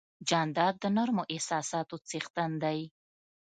جانداد د نرمو احساساتو څښتن دی.